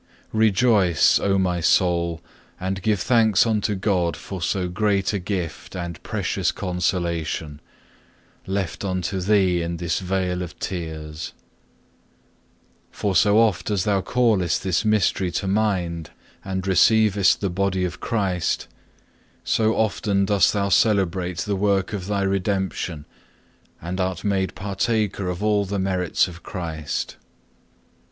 6. Rejoice, O my soul, and give thanks unto God for so great a gift and precious consolation, left unto thee in this vale of tears. For so oft as thou callest this mystery to mind and receivest the body of Christ, so often dost thou celebrate the work of thy redemption, and art made partaker of all the merits of Christ.